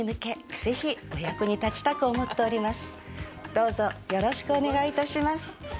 どうぞよろしくお願い致します。